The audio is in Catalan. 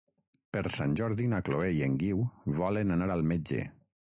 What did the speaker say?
Per Sant Jordi na Chloé i en Guiu volen anar al metge.